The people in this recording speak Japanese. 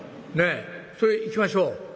ねっそれ行きましょう」。